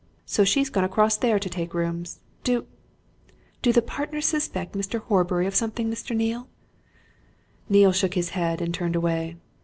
So she's gone across there to take rooms. Do do the partners suspect Mr. Horbury of something, Mr. Neale?" Neale shook his head and turned away.